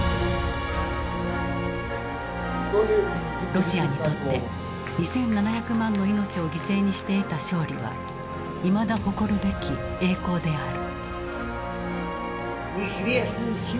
ロシアにとって２７００万の命を犠牲にして得た勝利はいまだ誇るべき「栄光」である。